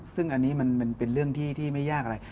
ซึ่งอันนี้มันเป็นเรื่องที่ไม่ยากอะไร